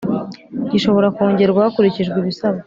gishobora kongerwa hakurikijwe ibisabwa